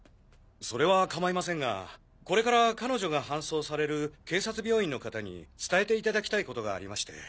それは構いませんがこれから彼女が搬送される警察病院の方に伝えていただきたいことがありまして。